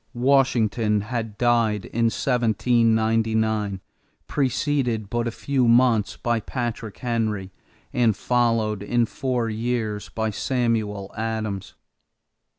Washington had died in 1799, preceded but a few months by Patrick Henry and followed in four years by Samuel Adams.